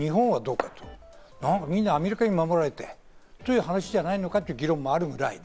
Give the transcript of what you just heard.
しかるに日本はどうかと、アメリカに守られてという話じゃないのかという議論もあるぐらいね。